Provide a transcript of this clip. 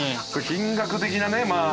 金額的なねまあ。